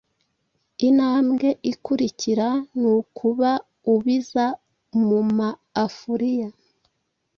Intambwe ikurikira nukubaubiza mumaafuriya